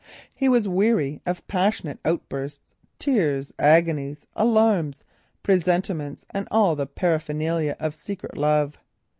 He was weary of passionate outbursts, tears, agonies, alarms, presentiments, and all the paraphernalia of secret love.